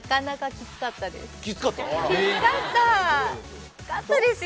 きつかったですよ。